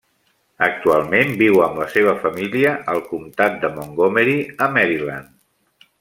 Actualment viu amb la seva família al Comtat de Montgomery, a Maryland.